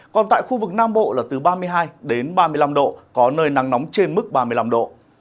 còn tại khu vực nam bộ là từ ba mươi hai đến ba mươi năm độ có nơi nắng nóng trên mức ba mươi năm độ